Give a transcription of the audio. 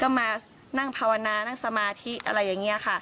ก็มานั่งพาวนานั่งสมาธิ